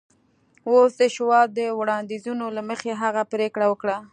اوس د شواب د وړانديزونو له مخې هغه پرېکړه وکړه.